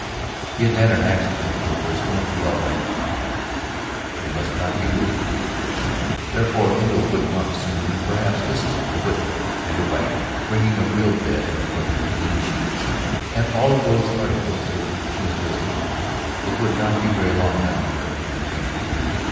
He had had an accident but was going to be all right from now on. But he must not be moved for a little. Therefore Engle would come soon, and perhaps Mrs. Engle with him. And a wagon bringing a real bed and fresh clean sheets and all of those articles which she had listed. It would not be very long now until Engle came.